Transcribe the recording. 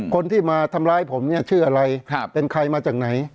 คนที่มาทำร้ายผมเนี่ยชื่ออะไรเป็นใครมาจากไหน